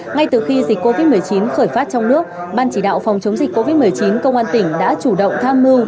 ngay từ khi dịch covid một mươi chín khởi phát trong nước ban chỉ đạo phòng chống dịch covid một mươi chín công an tỉnh đã chủ động tham mưu